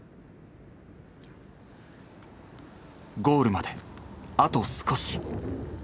ゴールまであと少し。